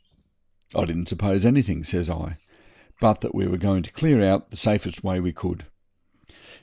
'I didn't suppose anything,' says I, 'but that we were going to clear out the safest way we could.